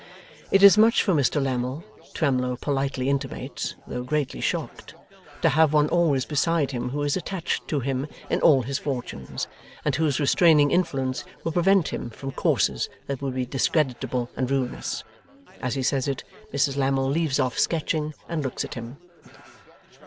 It is much for Mr Lammle, Twemlow politely intimates (though greatly shocked), to have one always beside him who is attached to him in all his fortunes, and whose restraining influence will prevent him from courses that would be discreditable and ruinous. As he says it, Mrs Lammle leaves off sketching, and looks at him.